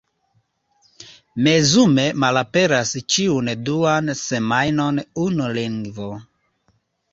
Mezume malaperas ĉiun duan semajnon unu lingvo.